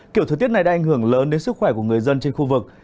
kiểu thời tiết này đã ảnh hưởng lớn đến sức khỏe của người dân trên khu vực